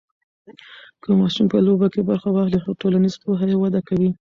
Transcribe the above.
که ماشوم په لوبو کې برخه واخلي، ټولنیز پوهه یې وده کوي.